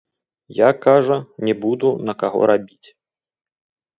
Я, кажа, не буду на каго рабіць.